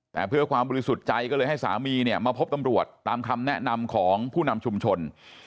แต่เพื่อความบริสุทธิ์ใจก็เลยให้สามีเนี่ยมาพบตำรวจตามคำแนะนำของผู้นำชุมชน